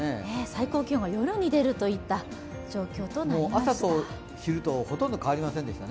最高気温が夜に出るといった状況となりました。